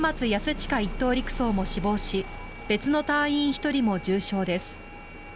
親１等陸曹も死亡し別の隊員１人も重傷です。